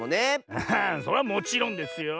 アハそれはもちろんですよ。